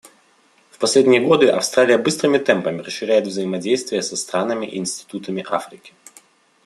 В последние годы Австралия быстрыми темпами расширяет взаимодействие со странами и институтами Африки.